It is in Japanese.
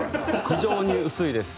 非常に薄いです。